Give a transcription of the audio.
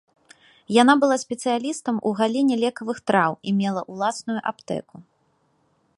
Яна была спецыялістам у галіне лекавых траў і мела ўласную аптэку.